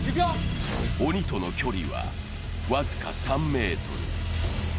鬼との距離は僅か３ｍ。